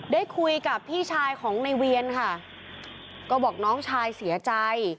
ได้คุยกับพี่ชายของในเวียนค่ะก็บอกน้องชายเสียใจ